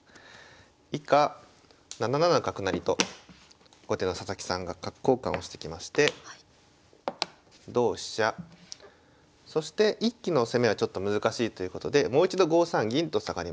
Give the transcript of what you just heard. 以下７七角成と後手の佐々木さんが角交換をしてきまして同飛車そして一気の攻めはちょっと難しいということでもう一度５三銀と下がりました。